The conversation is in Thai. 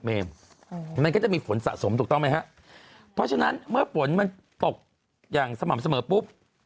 มันก็จะมีฝนสะสมถูกต้องไหมฮะเพราะฉะนั้นเมื่อฝนมันตกอย่างสม่ำเสมอปุ๊บ